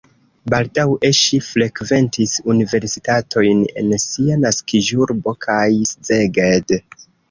Baldaŭe ŝi frekventis universitatojn en sia naskiĝurbo kaj Szeged.